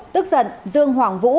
tức giận dương hoàng vũ